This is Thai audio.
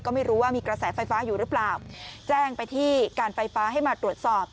ก็ไม่รู้ว่ามีกระแสไฟฟ้าอยู่หรือเปล่าแจ้งไปที่การไฟฟ้าให้มาตรวจสอบ